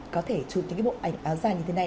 có thể chụp những cái bộ ảnh áo dài như thế này